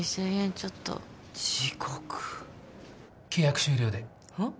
ちょっと地獄契約終了でほっ？